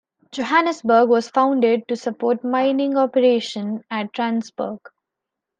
Johannesburg was founded to support mining operation at Randsburg.